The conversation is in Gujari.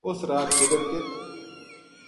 اُس رات گدڑ کِ